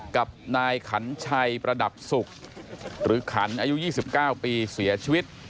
กับนายขันชัยประดับศุกร์หรือขันอายุ๒๙ปีเสียชีวิต